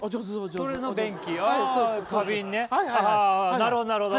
なるほどね。